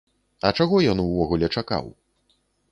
А чаго ён увогуле чакаў?